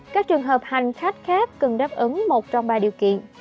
các trường hợp hành khách khác cần đáp ứng một trong ba điều kiện